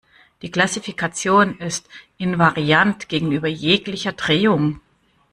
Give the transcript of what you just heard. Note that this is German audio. Die Klassifikation ist invariant gegenüber jeglicher Drehung.